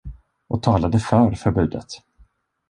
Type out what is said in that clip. Och talade för förbudet.